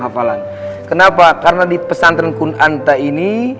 hafalan kenapa karena di pesantren kunanta ini kita harus disiplin kalau kebalikkan